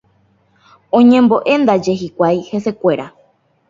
Oñembo'éndaje hikuái hesekuéra.